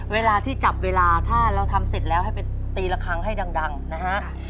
เวลาที่จับเวลาถ้าเราทำเสร็จแล้วให้ไปตีละครั้งให้ดังนะฮะ